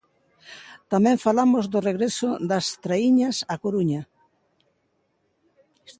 Tamén falamos do regreso das traíñas á Coruña.